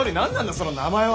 その名前は。